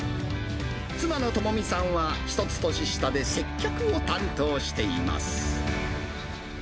妻の友美さんは１つ年下で接客を担当しています。